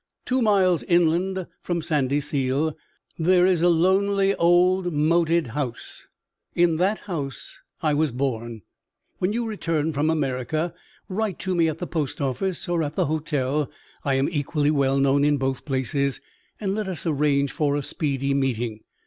Two miles inland from Sandyseal, there is a lonely old moated house. In that house I was born. When you return from America, write to me at the post office, or at the hotel (I am equally well known in both places), and let us arrange for a speedy meeting.